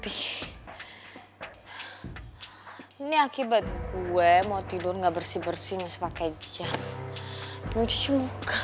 ini akibat gue mau tidur enggak bersih bersih masih pakai jam